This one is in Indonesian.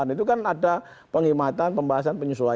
itu kan ada penghematan pembahasan penyesuaian